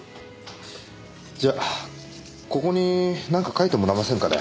じゃあここになんか書いてもらえませんかね？